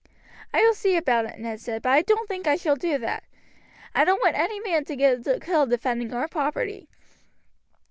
"I will see about it," Ned said, "but I don't think I shall do that. I don't want any men to get killed in defending our property."